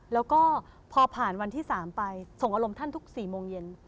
แล้วก็พอผ่านวันที่๓ไปส่งอารมณ์ท่านทุก๔โมงเย็น